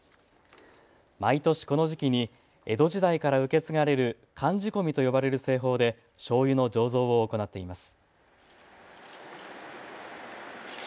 毎年この時期に江戸時代から受け継がれる寒仕込みと呼ばれる製法でしょうゆの醸造を行っています。